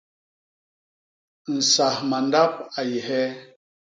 Nsas mandap a yé hee?